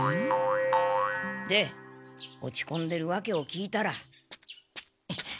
で落ちこんでるわけを聞いたら。